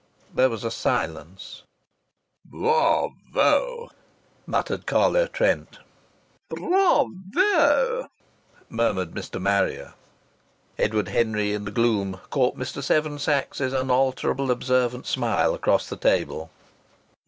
There was a silence. "Bra vo!" murmured Carlo Trent. "Bra_vo_!" murmured Mr. Marrier. Edward Henry in the gloom caught Mr. Seven Sachs's unalterable observant smile across the table.